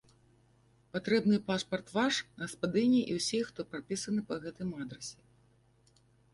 Патрэбны пашпарт ваш, гаспадыні і ўсіх, хто прапісаны па гэтым адрасе.